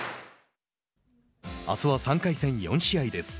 あすの３回戦４試合です。